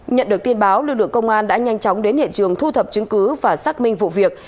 nhận được tin báo lực lượng công an đã nhanh chóng đến hiện trường thu thập chứng cứ và xác minh vụ việc